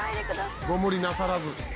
「ご無理なさらず」